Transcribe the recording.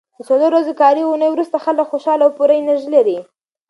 د څلورو ورځو کاري اونۍ وروسته خلک خوشاله او پوره انرژي لري.